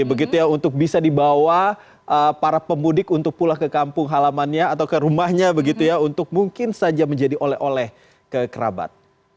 begitu ya untuk bisa dibawa para pemudik untuk pulang ke kampung halamannya atau ke rumahnya begitu ya untuk mungkin saja menjadi oleh oleh ke kerabat